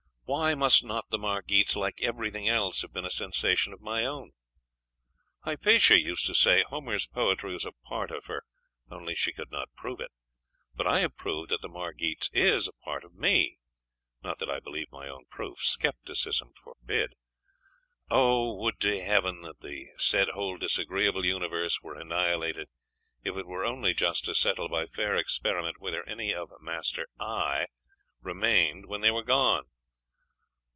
Why must not the Margites, like everything else, have been a sensation of my own? Hypatia used to say Homer's poetry was a part of her.... only she could not prove it.... but I have proved that the Margites is a part of me.... not that I believe my own proof scepticism forbid! Oh, would to heaven that the said whole disagreeable universe were annihilated, if it were only just to settle by fair experiment whether any of master "I" remained when they were gone!